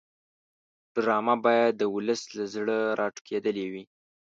ډرامه باید د ولس له زړه راټوکېدلې وي